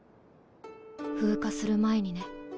風化する前にね。